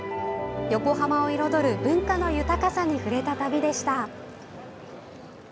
横浜を彩る文化の豊かさに触れた旅でした。